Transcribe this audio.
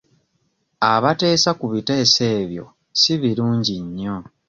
Abateesa ku biteeso ebyo si birungi nnyo.